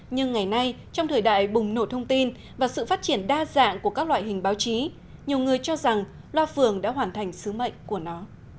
nhưng ngày nay trong thời đại bùng nổ thông tin và sự phát triển đa dạng của các loại hình báo chí nhiều người cho rằng loa phường đã hoàn thành sứ mệnh của nó